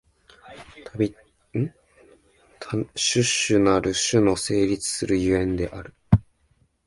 種々なる種の成立する所以である。